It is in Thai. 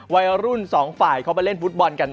วัยรุ่นสองฝ่ายเขาไปเล่นฟุตบอลกัน